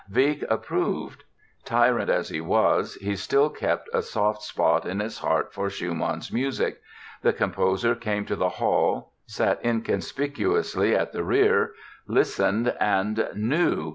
Wieck approved. Tyrant as he was he still kept a soft spot in his heart for Schumann's music. The composer came to the hall, sat inconspicuously at the rear, listened and—knew!